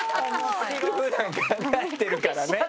普段考えてるからね。